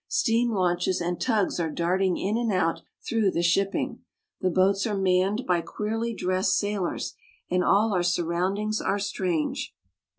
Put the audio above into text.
Steam launches and tugs are darting in and out through the shipping. The boats are manned by queerly dressed sailors, and' all our surroundings are strange.